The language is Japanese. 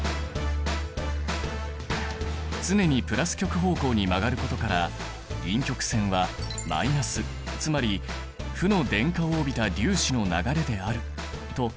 常にプラス極方向に曲がることから陰極線はマイナスつまり負の電荷を帯びた粒子の流れであると証明された。